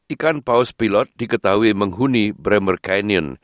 ikan paus pilot diketahui menghuni bremer canyon